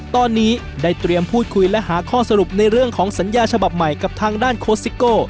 ตอนนี้ได้เตรียมพูดคุยและหาข้อสรุปในเรื่องของสัญญาฉบับใหม่กับทางด้านโคสิโก้